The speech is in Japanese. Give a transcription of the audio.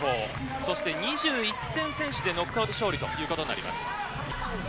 そして２１点、先取でノックアウト勝利となります。